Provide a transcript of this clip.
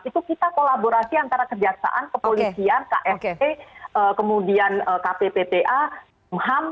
itu kita kolaborasi antara kejaksaan kepolisian kfp kemudian kp pta ham